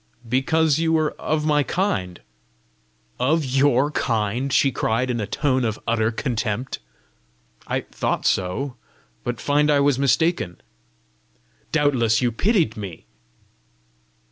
"Because you were of my own kind." "Of YOUR kind?" she cried, in a tone of utter contempt. "I thought so, but find I was mistaken!" "Doubtless you pitied me!"